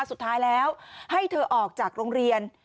สุดท้ายแล้วให้เธอออกจากโรงเรียน